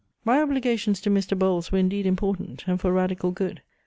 My obligations to Mr. Bowles were indeed important, and for radical good.